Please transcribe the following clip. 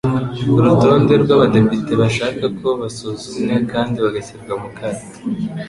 urutonde rw'abadepite ishaka ko basuzumwa kandi bagashyirwa mu kato.